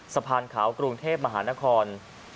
สะพานขาวกรุงเทพมหานคร